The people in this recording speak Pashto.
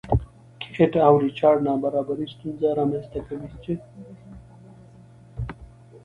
کیټ او ریچارډ نابرابري ستونزې رامنځته کوي.